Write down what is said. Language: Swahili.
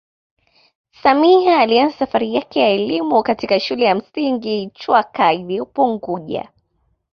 Samia alianza safari yake ya elimu katika shule ya msingi chwaka iloyopo unguja